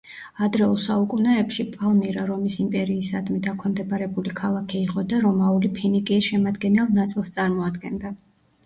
ადრეულ საუკუნეებში, პალმირა რომის იმპერიისადმი დაქვემდებარებული ქალაქი იყო და რომაული ფინიკიის შემადგენელ ნაწილს წარმოადგენდა.